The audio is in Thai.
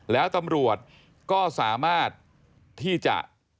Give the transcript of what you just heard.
แล้วตำรวจก็สามารถที่จะ